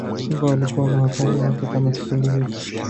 simba walikuwa na wakali wake kama Kipindi hiki